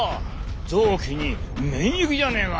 臓器に免疫じゃねえか！